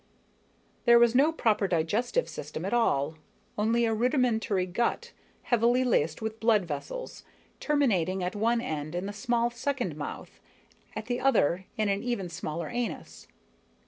There was no proper digestive system at all, only a rudimentary gut, heavily laced with blood vessels, terminating at one end in the small second mouth, at the other in an even smaller anus.